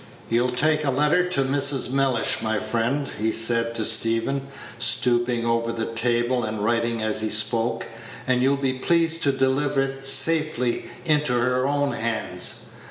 "You'll take a letter to Mrs. Mellish, my friend," he said to Stephen, stooping over the table and writing as he spoke, "and you'll please to deliver it safely into her own hands.